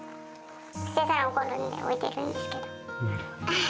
捨てたら怒るんで置いてるんですけど。